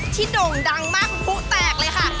โด่งดังมากผู้แตกเลยค่ะ